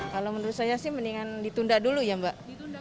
kalau menurut saya sih mendingan ditunda dulu ya mbak